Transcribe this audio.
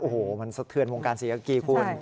โอ้โหมันสะเทือนวงการศรียากีคุณ